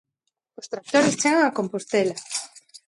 Os tractores chegan a Compostela.